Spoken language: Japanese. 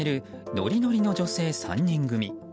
ノリノリの女性３人組。